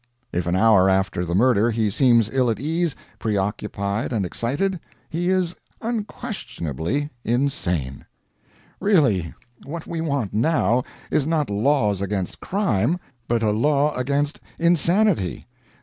If, an hour after the murder, he seems ill at ease, preoccupied, and excited, he is, unquestionably insane. Really, what we want now, is not laws against crime, but a law against insanity.